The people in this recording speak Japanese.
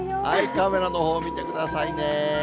カメラのほう見てくださいね。